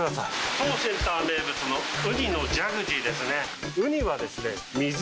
当センター名物のウニのジャグジーですね。